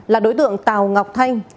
là đối tượng tào ngọc thanh